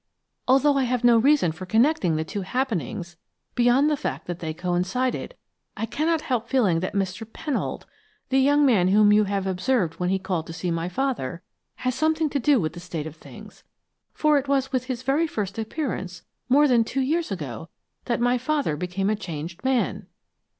Although I have no reason for connecting the two happenings beyond the fact that they coincided, I cannot help feeling that Mr. Pennold the young man whom you have observed when he called to see my father has something to do with the state of things, for it was with his very first appearance, more than two years ago, that my father became a changed man."